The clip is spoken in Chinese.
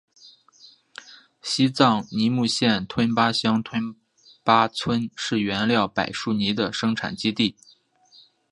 西藏尼木县吞巴乡吞巴村是原料柏树泥的生产基地。